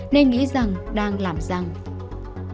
nên nghĩ rằng đang làm ra một chuyện